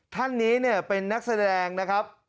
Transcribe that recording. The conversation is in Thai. ท่านนี้เป็นนักแสดงนะครับ